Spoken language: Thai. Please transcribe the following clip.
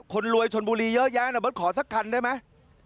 คนรวยชนบุรีเยอะแยะลดขอสักคันได้ไหม